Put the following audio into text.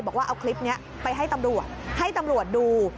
บอกว่าเอาคลิปนี้ไปให้ตำรวจให้ตำรวจดู